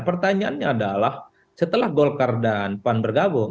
pertanyaannya adalah setelah golkar dan pan bergabung